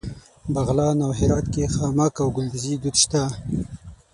بغلان او هرات کې خامک او ګلدوزي دود شته.